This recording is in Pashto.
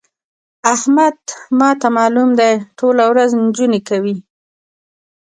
احمد ما ته مالوم دی؛ ټوله ورځ نجونې کوي.